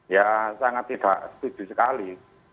ya sangat tidak setuju sekali